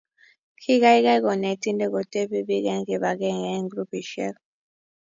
Kii kaikai konetinde kotebi biik eng' kibagenge eng' grupisiek